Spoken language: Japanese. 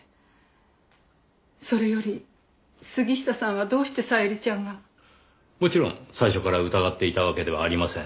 それより杉下さんはどうして小百合ちゃんが。もちろん最初から疑っていたわけではありません。